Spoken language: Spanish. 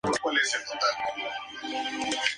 Él es un Teniente Coronel.